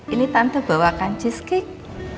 ini tante bawakan cheesecake